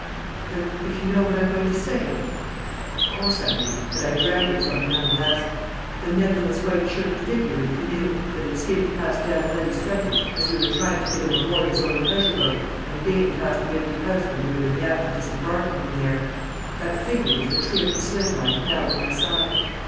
"But if you know what I'm going to say?" Of course I knew, but I dragged it from her none the less. The nebulous white shirted figure in the canoe, that had skimmed past Dan Levy's frontage as we were trying to get him aboard his own pleasure boat, and again past the empty house when we were in the act of disembarking him there, that figure was the trim and slim one now at my side.